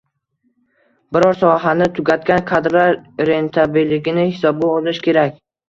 Biror sohani tugatgan kadrlar rentabilligini hisobga olish kerak.